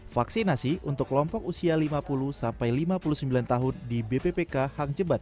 vaksinasi untuk kelompok usia lima puluh sampai lima puluh sembilan tahun di bppk hang jebat